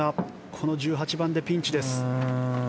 この１８番でピンチです。